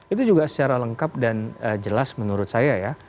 itu juga secara lengkap dan jelas menurut saya ya